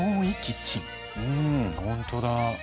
うんほんとだ。